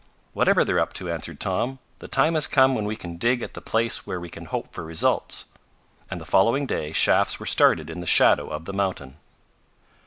"Whatever they're up to," answered Tom, "the time has come when we can dig at the place where we can hope for results." And the following day shafts were started in the shadow of the mountain.